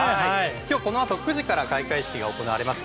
今日、このあと９時から開会式が行われます。